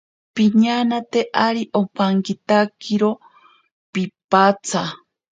Piñanate ari ompankitakiro piipatsa.